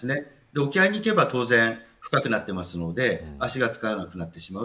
沖合に行けば当然深くなっていくので足がつかなくなってしまう。